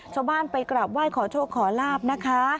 ชาวบ้านไปกราบไหว้ขอโชคขอลาบนะคะ